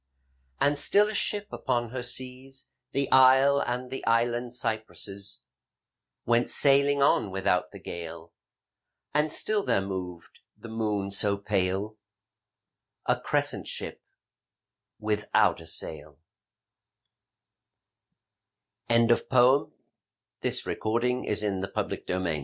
And still, a ship upon her seas. The isle and the island cypresses Went sailing on without the gale : And still there moved the moon so pale, A crescent ship without a sail ' I7S Oak and Olive \ Though I was born a Lond